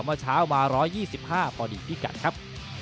เมื่อเช้ามา๑๒๕พอดีพิกัดครับ